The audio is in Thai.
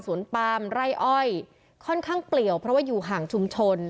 ปามไร่อ้อยค่อนข้างเปลี่ยวเพราะว่าอยู่ห่างชุมชน